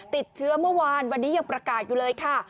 ติดเชื้อเมื่อวานวันนี้ยังประกาศอยู่เลยค่ะ